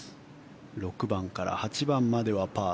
６番から８番まではパー。